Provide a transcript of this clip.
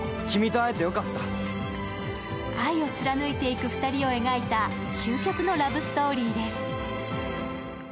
愛を貫いていく２人を描いた究極のラブストーリーです。